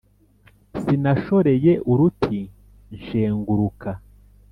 sinashoreye uruti nshenguruka,